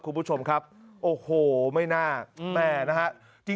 คุณผู้ชมครับโอ้โหไม่น่าแม่นะฮะ